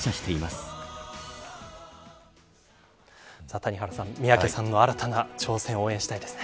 谷原さん三宅さんの新たな挑戦を応援したいですね。